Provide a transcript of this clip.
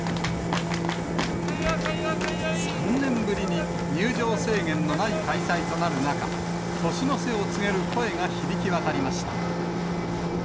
３年ぶりに、入場制限のない開催となる中、年の瀬を告げる声が響き渡りました。